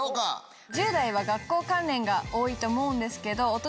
１０代は学校関連が多いと思うんですけど。